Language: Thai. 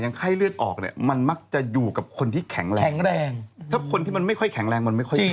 ยังไข้เลือดออกมันมักจะอยู่กับคนที่แข็งแรง